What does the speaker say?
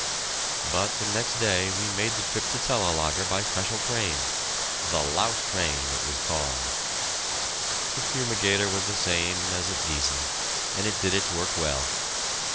But the next day we made the trip to Cellelager by special train "The Louse Train" it was called. The fumigator was the same as at Giessen, and it did its work well.